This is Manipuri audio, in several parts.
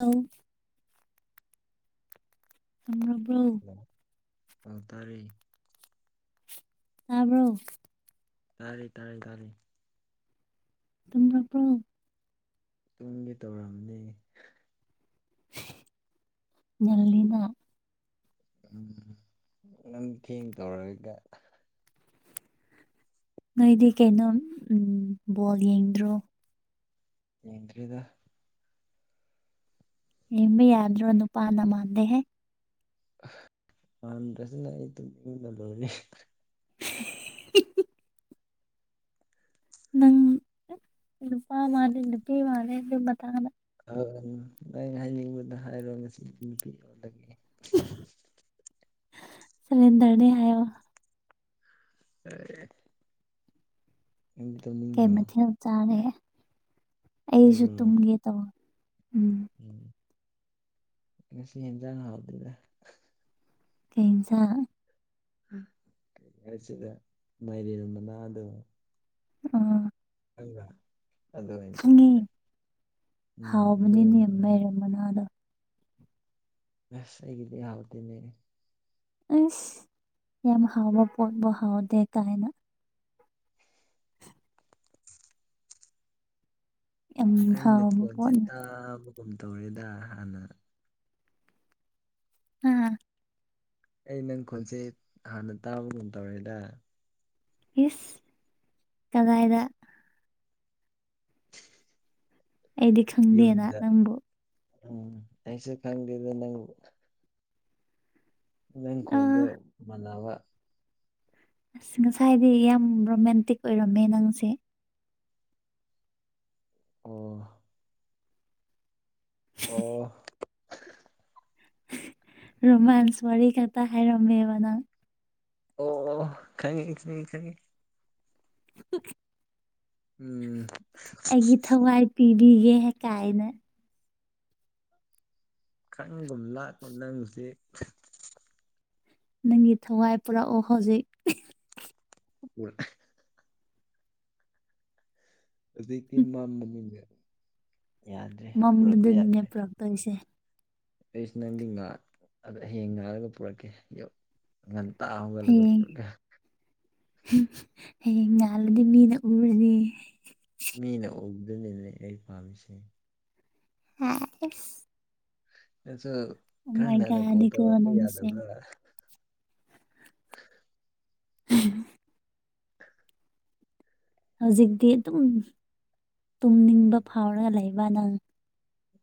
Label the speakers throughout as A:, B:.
A: ꯑ ꯊ꯭ꯔꯕ꯭ꯔꯣ
B: ꯑ ꯇꯔꯦ
A: ꯇꯕ꯭ꯔꯣ
B: ꯇꯥꯔꯦ ꯇꯥꯔꯦ ꯇꯥꯔꯦ
A: ꯇ꯭ꯔꯕ꯭ꯔꯣ
B: ꯇꯨꯡꯒꯤ ꯇꯧꯔꯝꯅꯤ
A: ꯉꯅ
B: ꯎꯝ ꯅꯪ ꯊꯦꯡꯡ ꯇꯧꯔꯒ
A: ꯅꯣꯏꯗꯤ ꯀꯩꯅꯣ ꯎꯝ ꯕꯣꯜ ꯌꯦꯡꯗ꯭ꯔꯣ
B: ꯌꯦꯗ꯭ꯔꯤꯗ
A: ꯏꯃꯤ ꯌꯥꯗꯔꯣꯟ ꯅꯨ ꯄꯥꯔꯅ ꯃꯥꯥꯟꯗ ꯍꯥꯏ
B: ꯍꯗꯁꯤ ꯑꯩꯅꯤ
A: ꯅꯪ ꯂꯨꯄꯥ ꯃꯥꯦ ꯂꯄꯤ ꯃꯥꯦ ꯑꯗꯨꯃ ꯇꯅ
B: ꯍꯣꯏ ꯅ ꯍꯥꯏꯅꯤꯡꯕꯗ ꯍꯥꯏꯔꯣ ꯉꯁꯤ ꯅꯨꯄꯤꯔꯗꯒꯤꯦ
A: ꯁꯔꯦꯟꯗ꯭ꯔꯅꯦ ꯍꯥꯏꯣ
B: ꯑꯔꯦ
A: ꯀꯩꯃꯊ ꯆꯥꯔꯦ ꯑꯩꯁꯨ
B: ꯑꯩꯔꯣ
A: ꯇꯨꯝꯒꯦ ꯇꯧꯕ
B: ꯉꯁꯤ ꯏꯖꯅ ꯍꯥꯗꯗ
A: ꯀꯩꯁ
B: ꯀꯆꯗ ꯃꯔꯤꯅꯗ
A: ꯑꯥ
B: ꯍꯗ
A: ꯈꯪꯉꯤ
B: ꯎꯝ ꯑꯗꯨ ꯑꯣꯏꯅ
A: ꯍꯥꯎꯕꯅꯤꯅꯦ
B: ꯆꯥꯔꯦ
A: ꯃꯥꯏꯔꯦꯟ ꯃꯅꯗꯣ꯫
B: ꯑꯁ ꯑꯩꯒꯤꯗꯤ ꯌꯥꯎꯗꯦꯅꯦ꯫
A: ꯑꯁ ꯌꯥꯝ ꯍꯥꯎꯕ ꯄꯣꯠꯕꯨ ꯍꯥꯎꯗꯦ ꯍꯥ꯫ ꯌꯥꯝ
B: ꯑꯩꯅ
A: ꯍꯥꯎꯕ
B: ꯐꯣꯟꯁꯦ
A: ꯄꯣꯠꯅꯤ
B: ꯇꯥꯕꯒꯨꯝ ꯇꯧꯔꯦꯗ ꯍꯥꯟꯅ꯫
A: ꯎꯝ꯫
B: ꯑꯩ ꯅꯪ ꯈꯣꯟꯁꯦ ꯍꯥꯟꯅ ꯇꯥꯕꯒꯨꯝ ꯇꯧꯔꯦꯗꯥ꯫
A: ꯏꯁ ꯀꯒꯥꯏꯗ꯫ ꯑꯩꯗꯤ ꯈꯪꯗꯦꯅ
B: ꯌꯨꯝꯗ
A: ꯅꯪꯕꯨ꯫
B: ꯎꯝ ꯑꯁꯨ ꯈꯪꯗꯦꯗ ꯅꯪ꯫ ꯅꯪ
A: ꯑ
B: ꯈꯣꯟꯗꯣ ꯃꯥꯟꯅꯕ꯫
A: ꯑꯁ ꯉꯁꯥꯏꯗꯒꯤ ꯌꯥꯝ ꯔꯣꯃꯦꯟꯇꯤꯛ ꯑꯣꯏꯔꯝꯃꯦ ꯅꯪꯁꯦ꯫
B: ꯑꯣ꯫ ꯑꯣ
A: [unintelligible] ꯔꯣꯃꯥꯟꯁ ꯋꯥꯔꯤ ꯈꯛꯇ ꯍꯥꯏꯔꯝꯃꯦꯕ ꯅꯪ꯫
B: ꯑꯣ ꯈꯪꯉꯦ ꯈꯪꯉꯦ꯫
A: [unintelligible]
B: ꯎꯝ
A: ꯄꯤꯒꯦ ꯍꯦ ꯀꯥꯏꯅ
B: ꯈꯪꯒꯨꯝ ꯂꯥꯛꯀꯨꯝ ꯅꯪꯁꯦ
A: ꯅꯪꯒꯤ ꯊꯋꯥꯏ ꯄꯨꯔꯛꯑꯣ ꯍꯧꯖꯤꯛ
B: [unintelligible] ꯑꯗꯨꯀꯤ
A: ꯍꯨꯝ,
B: ꯃꯥ ꯃꯃꯤꯡꯗꯦ
A: ꯃꯝꯕꯗꯨꯅꯅꯦ ꯄꯨꯔꯛꯇꯣꯏꯁꯦ
B: ꯑꯩꯁꯨ ꯅꯪꯗꯤ ꯍꯌꯦꯡ ꯉꯥꯔꯒ ꯄꯨꯔꯛꯀꯦ ꯉꯟ ꯇ ꯍꯧꯒꯠꯂꯒ
A: ꯍꯌꯦꯡ
B: ꯄꯨꯔꯀꯦ
A: ꯍꯌꯦꯡ ꯉꯥꯜꯂꯗꯤ ꯃꯤꯅ ꯎꯔꯅꯤ
B: ꯑꯗꯨꯅꯤꯅꯦ ꯑꯩ ꯄꯥꯝꯃꯤꯁꯤ
A: [unintelligible]
B: ꯅꯁꯨ
A: ꯑꯣ
B: ꯈꯔꯥ
A: ꯃꯥꯏ
B: ꯉꯟꯅ ꯀꯣꯜ
A: ꯒꯣꯗꯅꯤꯀꯣ
B: ꯇꯧꯔꯛꯄ
A: ꯅꯪꯁꯦ
B: ꯌꯥꯗꯕꯔ [inaudible]
A: [unintelligible] ꯍꯧꯖꯤꯛꯇꯤ ꯑꯗꯨꯝ ꯇꯨꯝꯅꯤꯡꯕ ꯐꯥꯎꯔꯒ ꯂꯩꯕ ꯅꯪ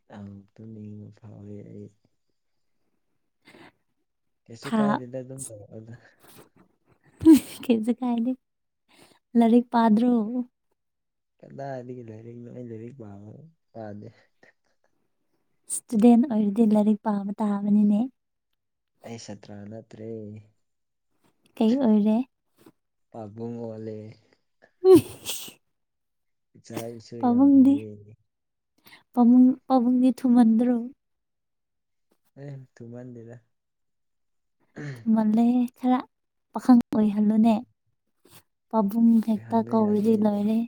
B: ꯌꯥꯝ ꯇꯨꯝ ꯅꯤꯡ ꯐꯥꯎꯋꯦ ꯑꯩ ꯀꯩꯁꯨ
A: ꯊꯥ
B: ꯀꯥꯏꯗꯦꯗ ꯑꯗꯨꯝ ꯑꯗꯨꯗ
A: ꯀꯩꯁꯨ ꯀꯥꯏꯗꯦ ꯂꯥꯏꯔꯤꯛ ꯄꯥꯗ꯭ꯔꯣ
B: ꯀꯗꯥꯒ ꯂꯥꯏꯔꯤꯛꯅꯣ ꯑꯩ ꯂꯥꯏꯔꯤꯛ ꯄꯥꯕ ꯌꯥꯗꯦ
A: ꯏꯁꯇꯨꯗꯦꯟ ꯑꯣꯏꯔꯗꯤ ꯂꯥꯏꯔꯤꯛ ꯄꯥꯕ ꯇꯥꯕꯅꯤꯅꯦ
B: ꯑꯩ ꯁꯠꯇ꯭ꯔꯥ ꯅꯠꯇ꯭ꯔꯦ
A: ꯀꯩ ꯑꯣꯏꯔꯦ
B: ꯄꯥꯕꯨꯡ ꯑꯣꯜꯂꯦ
A: [unintelligible]
B: ꯏꯆꯥ ꯏꯁꯨ ꯌꯥꯝ
A: ꯄꯥꯕꯨꯡꯗꯤ
B: ꯂꯩꯌꯦ
A: ꯄꯥꯕꯨꯡ ꯄꯥꯕꯨꯡꯒꯤ ꯊꯨꯃꯟꯗ꯭ꯔꯣ
B: ꯑꯦ ꯇꯨꯃꯥꯟꯗꯦꯗ
A: ꯊꯨꯝꯍꯜꯂꯦ ꯈꯔ ꯄꯥꯈꯪ ꯑꯣꯏꯍꯜꯂꯨꯅꯦ ꯄꯥꯕꯨꯡ ꯍꯦꯛꯇ
B: ꯑꯣꯏꯍꯟꯕ ꯌꯥꯗꯦ
A: ꯀꯧꯔꯗꯤ ꯂꯣꯏꯔꯦꯍꯦ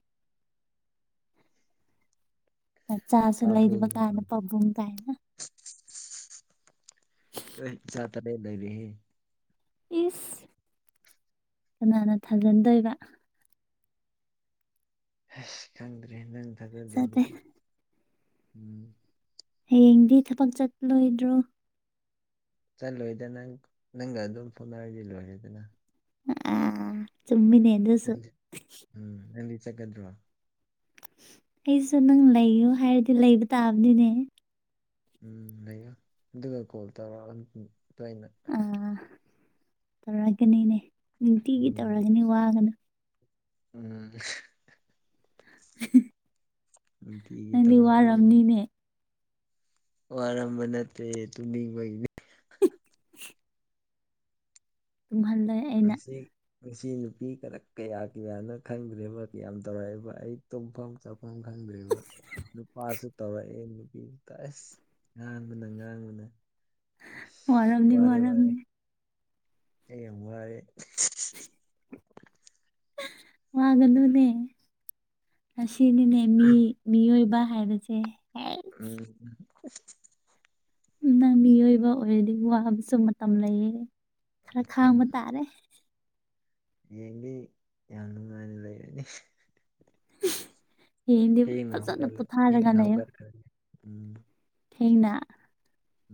A: ꯅꯆꯥꯁꯨ ꯂꯩꯗꯔ꯭ꯤꯕ
B: ꯄꯥꯕꯨꯡꯅꯤ
A: ꯀꯥꯟꯅ
B: ꯄꯥꯕꯨꯡ
A: ꯄꯕꯨꯡ ꯀꯥꯏꯅ
B: ꯑꯦ ꯏꯆꯥ ꯇꯔꯦꯠ ꯂꯩꯔꯦ ꯍꯦ
A: ꯏꯁ ꯀꯅꯥꯅ ꯊꯥꯖꯤꯟꯗꯣꯏꯕ
B: ꯑꯁ ꯈꯪꯗ꯭ꯔꯦ ꯅꯪ ꯊꯥꯖꯗꯔꯗꯤ
A: ꯐꯖꯗꯦ
B: ꯎꯝ
A: ꯍꯌꯦꯡꯗꯤ ꯊꯕꯛ ꯆꯠꯂꯣꯏꯗ꯭ꯔꯑꯣ
B: ꯆꯠꯂꯣꯏꯗꯅꯪ ꯅꯪꯒ ꯑꯗꯨꯝ ꯐꯣꯠꯅꯔꯁꯤꯜꯂꯣꯏꯁꯤꯗꯅ
A: ꯑ ꯆꯨꯝꯃꯤꯅꯤꯁꯨ
B: ꯆꯠꯀꯗ꯭ꯔ‌ꯣ
A: ꯑꯩꯁꯨ ꯅꯪ ꯂꯩꯌꯨ ꯍꯥꯏꯔꯗꯤ ꯂꯩꯕ ꯇꯥꯕꯅꯤꯅꯦ
B: ꯎꯝ ꯑꯗꯨꯒ ꯀꯣꯜ ꯇꯧꯔꯛꯑꯣ ꯇ‌ꯣꯏꯅ
A: ꯇꯧꯔꯒꯅꯤꯅꯦ ꯅꯨꯡꯇꯤꯒꯤ
B: ꯎꯝ
A: ꯇꯧꯔꯒꯅꯤ ꯋꯥꯒꯅ‌ꯣ
B: ꯎꯝ
A: [inaudible]
B: ꯅꯨꯡꯇꯤꯒꯤ
A: ꯅꯪꯗꯤ
B: ꯇꯧꯔꯛꯑꯣ
A: ꯋꯥꯔꯝꯅꯤꯅꯦ
B: ꯋꯥꯔꯝꯕ ꯅꯠꯇꯦ ꯇꯨꯝꯅꯤꯡꯕꯒꯤꯅꯦ
A: [inaudible] ꯇꯝꯍꯜꯂ‌ꯦ ꯑꯩꯅ
B: ꯉꯁꯤ ꯉꯁꯤ ꯅꯨꯄꯤ ꯀꯔꯛ ꯀꯌꯥ ꯀꯌꯥꯅ ꯈꯟꯈ꯭ꯔꯦꯕ ꯀꯌꯥꯝ ꯇꯧꯔꯛꯑꯦꯕ ꯑꯩ ꯇꯨꯝꯐꯝ ꯆꯥꯐꯝ ꯈꯪ ꯪꯗ꯭ꯔ‌ꯦꯕ ꯅꯨꯄꯥꯁꯨ ꯇꯧꯔꯛꯑꯦ ꯅꯨꯄꯤꯁꯨ ꯇ ꯑꯁ ꯉꯥꯡꯕꯅ ꯉꯥꯡꯕꯅ
A: ꯋꯥꯔꯝꯅꯤ
B: ꯋꯥꯔꯦ ꯋꯥꯔꯦ
A: ꯋꯥꯔꯝꯅꯤ
B: ꯑꯩ ꯌꯥꯝ ꯋꯥꯔꯦ
A: ꯋꯥꯒꯅꯣꯅꯦ ꯑꯁꯤꯅꯤꯅꯦ ꯃꯤ ꯃꯤꯑꯣꯏꯕ ꯍꯥꯏꯕꯁꯦ ꯍꯦꯛ
B: ꯎꯝ
A: ꯅꯪ ꯃꯤꯑꯣꯏꯕ ꯑꯣꯏꯔꯗꯤ ꯋꯥꯕꯁꯨ ꯃꯇꯝ ꯂꯩꯌꯦ ꯈꯔ ꯈꯥꯡꯕ ꯇꯥꯔꯦ
B: ꯍꯌ‌ꯦꯡꯗꯤ ꯌꯥꯝ ꯅꯨꯡꯉꯥꯏꯅ ꯂꯩꯔꯅꯤ
A: ꯍꯌ‌ꯦꯡꯗꯤ
B: ꯊꯦꯡꯅ
A: ꯐꯖꯅ
B: ꯍꯧꯒꯠꯂ
A: ꯄꯣꯊꯥꯔꯒ
B: ꯊꯦꯡꯅ
A: ꯂꯩꯌ‌ꯣ
B: ꯍꯧꯒꯠꯈ꯭ꯔꯅꯤ ꯎꯝ
A: ꯊꯦꯡꯅ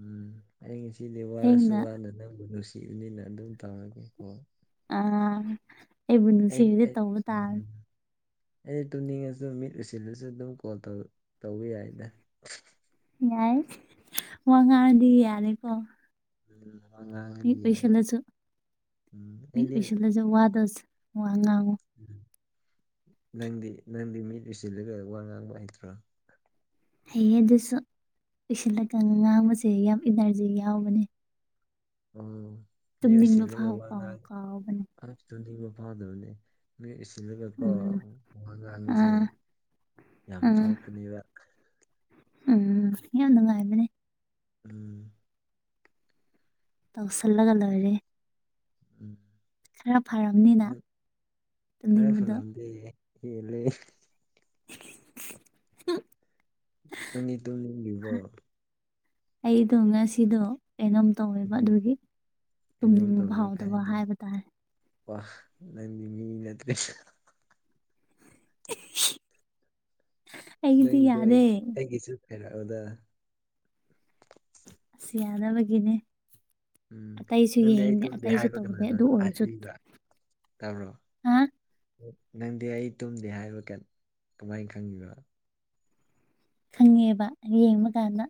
B: ꯎꯝ ꯑꯩ ꯉꯁꯤꯗꯤ ꯋꯥꯔꯁꯨ
A: ꯊꯦꯡꯅ
B: ꯋꯥꯅ ꯅꯪꯕꯨ ꯅꯨꯡꯁꯤꯕꯅꯤꯅ ꯑꯗꯨꯝ ꯇꯧꯔꯒꯦꯀꯣ
A: ꯑꯥ ꯑꯩꯕꯨ
B: ꯑꯩ
A: ꯅꯨꯡꯁꯤꯔꯗꯤ
B: ꯑꯩ
A: ꯇꯧꯕ ꯇꯥꯔꯦ
B: ꯎꯝ ꯑꯩ ꯇꯨꯝꯅꯤꯡꯉꯁꯨ ꯃꯤꯠ ꯎꯏꯁꯤꯜꯂꯁꯨ ꯑꯗꯨꯝ ꯀꯣꯜ ꯇꯧ ꯇꯧꯕ ꯌꯥꯏꯗ
A: ꯌꯥꯏ ꯋꯥ ꯉꯥꯡꯉꯗꯤ ꯌꯥꯔ‌ꯦꯀ‌ꯣ
B: [unintelligible]
A: ꯃꯤꯠ
B: ꯌꯥꯔꯦ
A: ꯎꯏꯁꯤꯜꯂꯆꯨ
B: ꯎꯝ
A: ꯃꯤꯠ
B: ꯑꯩꯗꯤ
A: ꯎꯏꯁꯤꯜꯂꯁꯨ ꯋꯥꯗ‌ꯣ ꯆ ꯋꯥ ꯉꯥꯡꯉ‌ꯣ
B: ꯅꯪꯗꯤ ꯅꯪꯗꯤ ꯃꯤꯠ ꯎꯏꯁꯤꯜꯂꯒ ꯋꯥ ꯉꯥꯡꯕ ꯍꯩꯇ꯭ꯔꯣ
A: ꯍꯩꯌꯦ ꯑꯗꯨꯁꯨ ꯑꯣꯏꯁꯤꯜꯂꯒ ꯉꯥꯡꯕꯁꯦ ꯌꯥꯝ ꯏꯅꯔꯖꯤ ꯌꯥꯎꯕꯅꯦ
B: ꯎꯝ
A: ꯇꯨꯝꯅꯤꯡꯕ ꯐꯥꯎꯕ ꯀꯥꯎ ꯀꯥꯎꯕꯅꯦ
B: ꯐꯥꯗꯕꯅ‌ꯦ ꯎꯏꯁꯤꯜꯂꯒꯀꯣ
A: ꯎꯝ
B: ꯋꯥ ꯉꯥꯡꯕꯁ‌ꯦ
A: ꯑꯥ
B: ꯌꯥꯝ
A: ꯑꯥ
B: ꯊꯣꯛꯄꯅꯦꯕ
A: ꯎꯝ ꯌꯥꯝ ꯅꯨꯡꯉꯥꯏꯕꯅꯦ
B: ꯎꯝ
A: ꯇꯧꯁꯜꯂꯒ ꯂ‌ꯣꯏꯔꯦ
B: ꯎꯝ
A: ꯈꯔ ꯐꯔꯝꯅꯤꯅ
B: ꯅꯪ
A: ꯇꯨꯝꯅꯤꯡꯕꯗꯣ
B: ꯍ‌ꯦꯜꯂ‌ꯦ
A: [unintelligible]
B: ꯅꯃꯤꯠꯗꯨ ꯎꯏꯗꯔꯤꯕꯣ
A: ꯑꯩꯗꯣ ꯉꯁꯤꯗꯣ ꯀꯩꯅꯣꯝ ꯇꯧꯌ‌ꯦꯕ ꯑꯗꯨꯒꯤ
B: ꯀꯩꯅꯣ
A: ꯇꯨꯝꯅꯤꯡꯕ
B: ꯇꯧꯕ
A: ꯐꯥꯎꯗꯕ
B: ꯈꯔꯗꯤ
A: ꯍꯥꯏꯕ ꯇꯥꯔꯦ
B: ꯋꯥ ꯅꯪꯗꯤ ꯃꯤ ꯅꯠꯇ꯭ꯔꯦ
A: ꯑꯩꯒꯤꯗꯤ ꯌꯥꯗꯦ
B: ꯐꯩꯔꯛꯑꯣꯗ
A: ꯌꯥꯅꯕꯒꯤꯅꯦ
B: ꯎꯝ ꯅꯪꯗꯤ ꯑꯩ ꯇꯨꯝꯗꯦ
A: ꯑꯇꯩꯁꯨ
B: ꯍꯥꯏꯕ
A: ꯇꯧꯗꯦ ꯑꯗꯨ ꯑꯣꯏꯔꯁꯨ
B: ꯀꯩꯅꯣꯗ [unintelligible] ꯇꯥꯕꯔ‌ꯣ
A: ꯍꯥ
B: ꯅꯪꯗꯤ ꯑꯩ ꯇꯨꯝꯗꯦ ꯍꯥꯏꯕ ꯀꯃꯥꯏꯅ ꯈꯪꯕꯤꯕ
A: ꯈꯪꯉꯦꯕ ꯌꯦꯡꯕ ꯀꯥꯟꯗ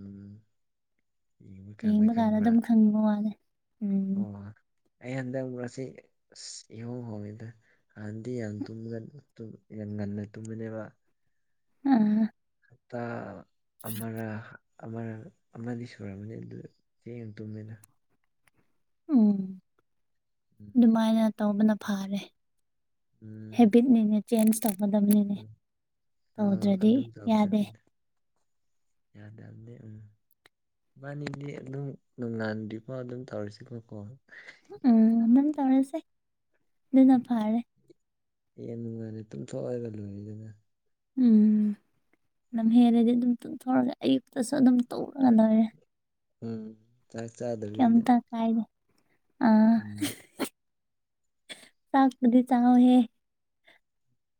B: ꯎꯝ ꯌꯦꯡꯕ
A: ꯍ
B: ꯀꯥꯟꯗ
A: ꯃ ꯀꯥꯟꯔ
B: ꯈꯪꯕ꯭ꯔꯥ
A: ꯑꯗꯨꯝ ꯈꯪꯕ ꯃꯥꯜꯂꯦ
B: ꯑꯣ ꯑꯩ ꯍꯟꯗꯛ ꯃꯔꯨꯔꯁꯤ ꯏꯍꯣꯡ ꯍꯣꯡꯉꯤꯗ ꯍꯥꯟꯥꯟꯗꯤ ꯌꯥꯝ ꯌꯥꯝ ꯉꯟꯅ ꯇꯨꯝꯕꯅꯦꯕ
A: ꯑ
B: ꯇ ꯑꯃꯔ ꯑꯃꯗꯤ ꯁꯨꯔꯝꯃꯅꯤ ꯑꯗꯨ ꯆꯦꯡ ꯇꯨꯝꯃꯤꯅ
A: ꯎꯝ
B: ꯎꯝ
A: ꯑꯗꯨꯃꯥꯏꯅ ꯇꯧꯕꯅ ꯐꯔꯦ
B: ꯎꯝ
A: ꯍꯦꯕꯤꯠ ꯃꯤ ꯆꯦꯟꯖ ꯇꯧꯒꯗꯕꯅꯤꯅꯦ ꯇꯧꯗ꯭ꯔꯗꯤ ꯌꯥꯗꯦ
B: ꯌꯥ ꯌꯥꯗꯦ ꯎ ꯃꯥꯕꯥꯅꯤꯗꯤ ꯑꯗꯨꯝ ꯅꯣꯡꯉꯥꯟꯗ꯭ꯔꯤꯀꯣ ꯑꯗꯨꯝ ꯇꯧꯔꯁꯤꯀꯣꯀꯣ
A: ꯎꯝ ꯑꯗꯨꯝ ꯇꯧꯔꯁꯦ ꯑꯗꯨꯅ ꯐꯔꯦ
B: ꯌꯥꯝ ꯅꯨꯡꯉꯥꯏꯅꯤ ꯇꯨꯝꯊꯣꯛꯑꯒ ꯂꯣꯏꯗꯅ
A: ꯎꯝ ꯑꯗꯨꯝ ꯍꯦꯜꯂꯗꯤ ꯑꯗꯨꯝ ꯇꯨꯝꯊꯣꯔꯛꯂꯦ ꯑꯌꯨꯛꯇꯁꯨ ꯑꯗꯨꯝ ꯇꯧꯔꯒ ꯂꯣꯏꯔꯦ
B: ꯎꯝ ꯆꯥꯛ ꯆꯥꯗꯕꯤꯗ
A: ꯀꯝꯇ ꯀꯥꯏꯗꯦ
B: ꯎꯝ
A: ꯆꯥꯛ ꯑꯗꯨꯗꯤ ꯆꯥꯎꯍꯦ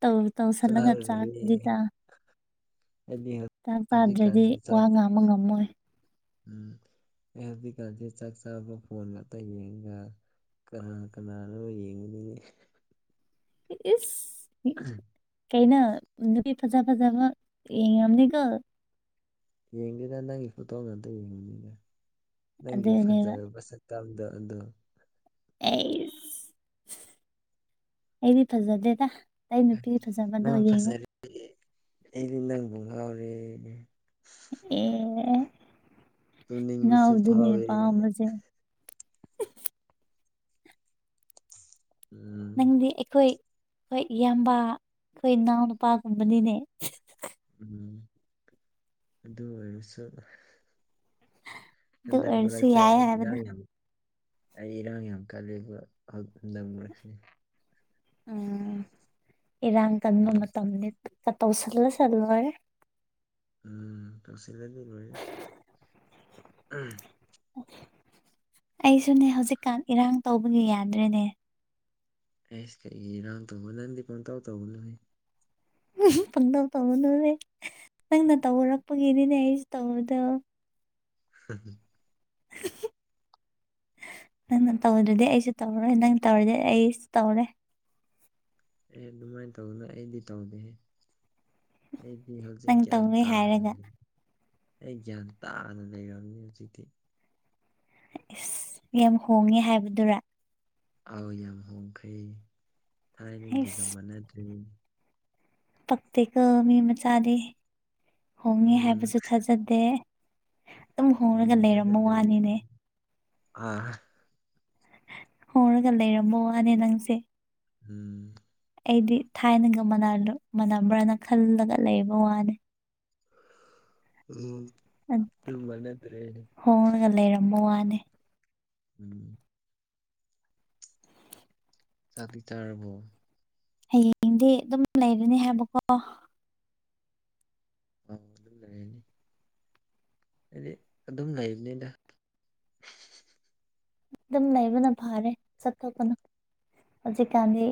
A: ꯇꯧ ꯇꯧꯁꯜ ꯂ ꯉ
B: ꯆꯥꯔꯔꯣꯏꯌꯦ
A: ꯆꯗꯤ ꯆ
B: ꯑꯩꯗꯤ ꯍꯧ
A: ꯆꯥꯛ ꯆꯥꯗ꯭ꯔꯗꯤ
B: ꯍꯧꯖꯤꯛꯀꯥꯟꯁꯦ
A: ꯋꯥ
B: ꯆꯥꯛ
A: ꯉꯥꯡꯕ ꯉꯝꯃꯣꯏ
B: ꯎꯝ ꯑꯦ ꯍꯧꯖꯤꯛꯀꯥꯟꯁꯦ ꯆꯥꯛ ꯆꯥꯕ ꯐꯣꯟ ꯉꯥꯛꯇ ꯌꯦꯡꯒ ꯀꯅꯥ ꯀꯅꯥꯅꯣ ꯌꯦꯡꯉꯨꯅꯤꯉ
A: ꯏꯁ
B: ꯎꯝ
A: ꯀꯩꯅ ꯅꯨꯄꯤ ꯐꯖ ꯐꯖꯕ ꯌꯦꯡꯉꯝꯅꯤꯀꯣ
B: ꯌꯦꯡꯗꯗ ꯅꯪꯒꯤ ꯐꯣꯇꯣꯅ ꯑꯝꯇ ꯌꯦꯡꯕꯅꯤꯗ ꯅꯪꯒꯤ
A: ꯑꯗꯨꯅꯦꯕ
B: ꯐꯖꯔꯕ ꯇꯗ ꯑꯗ
A: ꯑꯦꯗꯤ ꯐꯖꯗꯦꯇꯥ ꯇꯩꯅ ꯅꯨꯄꯤꯤ ꯔꯖꯥꯕꯗ ꯑꯣꯏ ꯌꯦꯉ
B: ꯑꯦꯗ ꯉ ꯑꯣꯏꯔꯦ
A: ꯑꯦ
B: ꯇꯨꯡꯅꯤꯡꯃꯤꯁꯨ
A: ꯉꯥꯎꯕꯗꯨꯅꯦ
B: ꯐꯥꯎꯔꯦ
A: ꯄꯥꯝꯕꯁꯦ
B: ꯎꯝ
A: ꯍꯣꯏ ꯏꯌꯥꯝꯕ ꯑꯩꯈꯣꯏ ꯏꯅꯥꯎꯅ ꯅꯨꯄꯥꯒꯨꯝꯕꯅꯤꯅꯦ
B: ꯎꯝ ꯑꯗꯨ ꯑꯣꯏꯔꯁ
A: ꯑꯗꯨ
B: ꯍꯟꯗꯛ
A: ꯑꯣꯏꯔꯁꯨ
B: ꯃꯔꯛꯁꯦ
A: ꯌꯥꯏ
B: ꯑꯩ
A: ꯍꯥꯏꯕꯗ
B: ꯏꯔꯥꯡ ꯌꯥꯝ ꯑꯩ ꯏꯔꯥꯡ ꯌꯥꯝ ꯀꯜꯂꯕ ꯅꯔꯛꯁꯤꯅꯦ
A: ꯎ ꯏꯔꯥꯡ ꯇꯟ
B: ꯎꯝ
A: ꯃꯃ ꯇ ꯆ ꯇꯧꯁꯜꯅ ꯆ ꯅꯔꯦ
B: ꯎꯝ ꯇ ꯁꯤ ꯂꯩꯕꯤ ꯂꯦ ꯎꯝ
A: ꯑꯩꯁꯨꯅꯦ ꯍꯧꯖꯤꯛꯀꯥꯟ ꯏꯔꯥꯡ ꯇꯧꯕꯒꯤ ꯌꯥꯗ꯭ꯔꯦꯅꯦ
B: ꯑꯦꯁ ꯀꯩꯔꯝ ꯇ ꯍ ꯅꯗꯤ ꯄ ꯇꯧ ꯇ ꯍꯣꯂꯣ
A: ꯎ ꯐꯪ ꯇꯝꯅꯔꯅꯦ ꯅꯪꯅ ꯇꯧꯔꯛꯄꯒꯤꯗꯤꯅꯦ ꯑꯩꯁꯨ ꯇꯧꯗ
B: ꯍ
A: [unintelligible] ꯅꯪꯅ ꯇꯧꯗ꯭ꯔꯗꯤ ꯑꯩꯁꯨ ꯇꯧꯔꯣꯏ ꯅꯪ ꯇꯧꯔꯗꯤ ꯑꯩꯁꯨ ꯇꯧꯔꯦ
B: ꯑꯦ ꯑꯗꯨꯃꯥꯏꯅ ꯇꯧꯅ ꯑꯩꯗꯤ ꯇꯧꯗꯦ ꯑꯩꯗꯤ ꯍꯧꯖꯤꯛ
A: ꯅꯪ
B: ꯒ꯭ꯌꯥꯟ
A: ꯇꯧꯋꯦ ꯍꯥꯏꯔꯒ
B: ꯇꯥꯔꯅꯤ ꯑꯩ ꯭ꯌꯥꯟ ꯇꯥꯅ ꯂꯩꯔꯕꯝꯅꯤ ꯍꯧꯖꯤꯛꯇꯗꯤꯤ
A: ꯑꯁ ꯌꯥꯝ ꯍꯣꯡꯉꯦ ꯍꯥꯏꯕꯗꯨꯔ
B: ꯑꯥꯎ ꯌꯥꯝ ꯍꯣꯡꯈ꯭ꯔꯦ ꯊꯥꯏꯅꯒꯤꯒ ꯃꯥꯟꯅꯗ꯭ꯔꯦ
A: ꯄꯛꯇꯦꯛꯀ ꯃꯤ ꯃꯆꯥꯗꯤ ꯍꯣꯡꯉꯦ
B: ꯎꯝ
A: ꯍꯥꯏꯕꯁꯨ ꯊꯥꯖꯗꯦ ꯑꯗꯨꯝ ꯍꯣꯡꯂꯒ
B: ꯎꯝ
A: ꯂꯩꯔꯝꯕ ꯋꯥꯅꯤꯅꯦ
B: ꯑ
A: ꯍꯔꯒ ꯂꯩꯔꯝꯃꯣ ꯋꯥꯅꯦ ꯅꯪꯁꯦ
B: ꯎꯝ
A: ꯑꯩꯗꯤ ꯊꯥꯏꯅꯒ ꯃꯥꯟꯅꯕ꯭ꯔꯥꯅ ꯈꯜꯂꯒ ꯂꯩꯕ ꯋꯥꯅꯤ
B: ꯎꯝ ꯑꯗꯨꯝꯕ ꯅꯠꯇ꯭ꯔꯦ
A: ꯍꯒ ꯂꯩꯔꯝꯃꯣ ꯋꯥꯅꯦ
B: ꯎꯝ ꯆ ꯆꯥꯔꯕꯣ
A: ꯍꯌꯦꯡꯗꯤ ꯑꯗꯨꯝ ꯂꯩꯔꯅꯤ ꯍꯥꯏꯕꯀꯣ
B: ꯑ ꯑꯗꯨ ꯂꯩꯔꯅꯤ ꯍꯥꯏꯗꯤ ꯑꯗꯨꯝ ꯂꯩꯕꯅꯤꯗ
A: ꯑꯗꯨꯝ ꯂꯩꯕꯅ ꯐꯥꯔꯦ ꯆꯠꯊꯣꯛꯄꯅ ꯍꯧꯖꯤꯛꯀꯥꯟꯗꯤ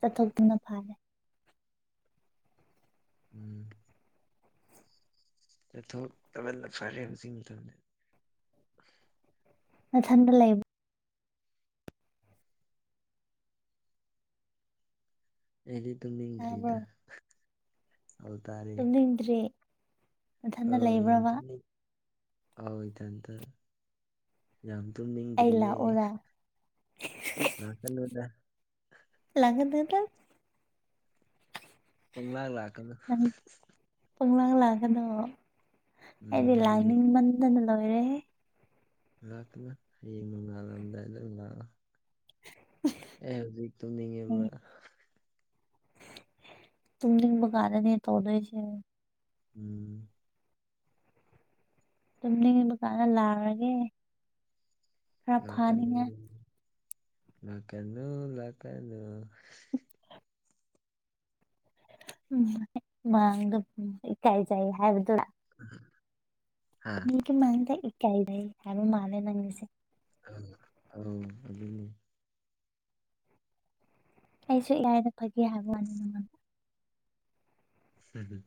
A: ꯆꯠꯊꯣꯛꯇꯨꯅ ꯐꯅꯦꯦ
B: ꯎꯝ ꯊꯣꯛꯛ ꯇ ꯐꯔꯦ ꯍꯧꯁꯤ ꯊꯝ
A: ꯅꯊꯟꯕ ꯂꯩꯕ
B: ꯑꯩꯗꯤ ꯑꯗꯨꯝ ꯅꯤꯡꯗ꯭ꯔꯤꯗ
A: ꯇ ꯏꯗꯔꯤ ꯃꯊꯟꯅ ꯂꯩꯕ꯭ꯔꯕ
B: ꯍꯗꯗ ꯌꯥꯝ
A: ꯑꯩ
B: ꯇꯨꯝꯅꯤꯡꯗ꯭ꯔꯤꯌꯦ
A: ꯂꯥꯛꯎꯔꯥ
B: ꯅꯥꯀꯜꯂꯣꯗ
A: ꯂꯒꯗꯗ
B: ꯄꯪꯂꯥ ꯂꯥꯛꯀꯅꯨ
A: ꯀꯂꯥꯡ ꯂꯥꯛꯀꯗꯣ
B: ꯎꯝ
A: ꯑꯩꯗꯤ
B: ꯍꯌꯦꯡ
A: ꯂꯥꯏꯅꯤꯡꯃꯟꯗꯅ ꯂꯣꯏꯔꯦ
B: ꯅ ꯍꯌꯦ ꯃꯍꯗ ꯑꯦ ꯍꯧꯖꯤꯛ ꯇꯨꯝꯅꯤꯡꯉꯦꯕ
A: ꯇꯨꯗꯤꯕꯨꯒꯥꯗꯅꯤ ꯇꯧꯗꯁ
B: ꯎꯝ
A: ꯇꯨꯝꯅꯤꯡ ꯗꯨꯀꯥꯟꯗ ꯂꯥꯛꯔꯒꯦ ꯈꯔ
B: ꯑ ꯀ
A: ꯐꯥꯅꯤꯡꯉꯥꯏ
B: ꯂ ꯀꯅꯨ ꯂ ꯀꯅꯨ
A: ꯎꯝ ꯃꯥꯡꯗ ꯏꯀꯥꯏꯖꯩ ꯍꯥꯏꯕꯗꯨꯣ
B: ꯍꯥ
A: ꯃꯤ ꯃꯗ ꯏꯀꯏꯗꯏ ꯍꯥꯏꯕ ꯃꯥꯂꯦ ꯅꯪꯅꯤꯁꯦ
B: ꯑꯣ ꯑꯗꯨꯅꯦ
A: ꯑꯩꯁꯨ ꯌꯥꯏꯗ ꯐꯒꯤꯦ ꯍꯥꯏ ꯋꯥꯅꯤ ꯅꯉꯣꯟ
B: ꯍꯝ ꯍꯝ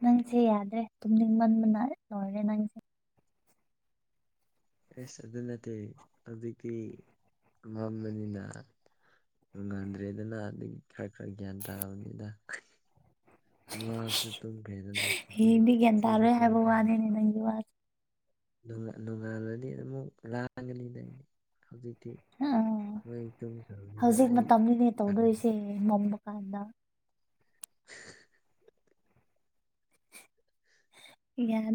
A: ꯅꯪꯁꯦ ꯌꯥꯗ꯭ꯔꯦ ꯇꯨꯝꯅꯤꯡ ꯃꯟꯕꯅ ꯂꯣꯏꯔꯔꯦ ꯅꯪꯁꯦ
B: ꯑꯦꯁ ꯑꯗꯨ ꯅꯠꯇꯦ ꯍꯧꯖꯤꯛꯇꯤ ꯃꯝꯝꯕꯅꯤꯅ ꯉꯥꯟꯗ꯭ꯔꯦꯗꯅ ꯑꯗꯨ ꯈꯔ ꯈꯔ ꯒ꯭ꯌꯥꯟ ꯇꯥꯔꯕꯅꯤꯗ ꯂꯥꯁꯁ ꯇꯨꯝꯈꯦꯗ
A: ꯍꯌꯦꯡꯗꯤ ꯒ꯭ꯌꯥꯟ
B: ꯏꯆꯦꯁꯨꯦ
A: ꯇꯥꯔꯣꯏ ꯍꯥꯏꯕ
B: ꯇꯨꯝꯈꯦ
A: ꯋꯥꯅꯤꯅꯦ ꯅꯪꯒꯤ ꯋꯥꯁꯦ
B: ꯅꯣꯡꯉꯥꯜꯂꯗꯤ ꯑꯃ ꯂꯥꯡꯒꯅꯤꯗꯅꯤ ꯍꯧꯖꯤꯛꯇ
A: ꯑꯥ ꯍꯧꯖꯤꯛ ꯃꯇꯝꯅꯤꯅꯦ
B: [inaudible]
A: ꯇꯧꯗꯣꯏꯁꯦ [inaudible]
B: [inaudible]
A: ꯌꯥ ꯌꯥ